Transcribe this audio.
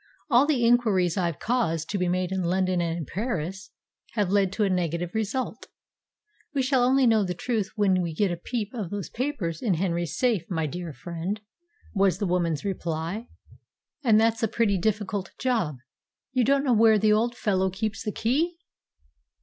"All the inquiries I've caused to be made in London and in Paris have led to a negative result." "We shall only know the truth when we get a peep of those papers in Henry's safe, my dear friend," was the woman's reply. "And that's a pretty difficult job. You don't know where the old fellow keeps the key?"